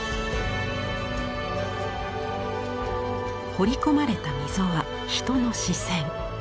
彫り込まれた溝は人の視線。